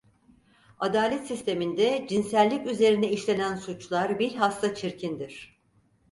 Adalet sisteminde cinsellik üzerine işlenen suçlar bilhassa çirkindir.